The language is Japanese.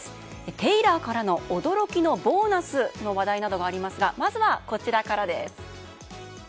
テイラーからの驚きのボーナスの話題などがありますがまずは、こちらからです。